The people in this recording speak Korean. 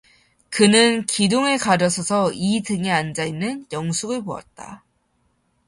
그는 기둥을 가려서서 이 등에 앉아 있는 영숙을 보았다.